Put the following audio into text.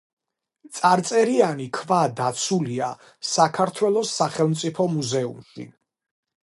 წარწერიანი ქვა დაცულია საქართველოს სახელმწიფო მუზეუმში.